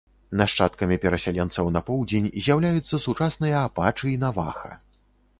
Нашчадкамі перасяленцаў на поўдзень з'яўляюцца сучасныя апачы і наваха.